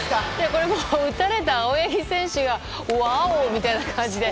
これ、打たれた青柳選手がワーオ！みたいな感じで。